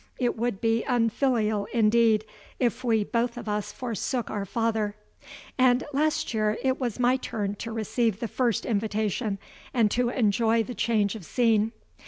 It would be unfilial, indeed, if we both of us forsook our father; and last year it was my turn to receive the first invitation, and to enjoy the change of scene.